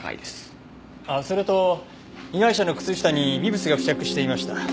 ああそれと被害者の靴下に微物が付着していました。